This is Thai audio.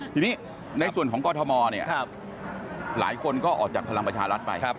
ทีนี้ในส่วนของกรทมเนี่ยหลายคนก็ออกจากพลังประชารัฐไป